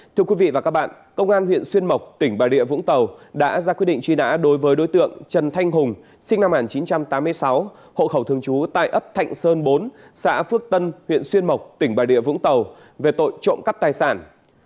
thưa quý vị và các bạn công an huyện xuyên mộc tỉnh bà địa vũng tàu đã ra quyết định truy nã đối với đối tượng trần thanh hùng sinh năm một nghìn chín trăm tám mươi sáu hộ khẩu thường trú tại ấp thạnh sơn bốn xã phước tân huyện xuyên mộc tỉnh bà địa vũng tàu về tội trộm cắp tài sản